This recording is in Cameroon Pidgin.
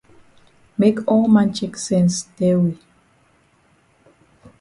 Make all man chek sense tell we.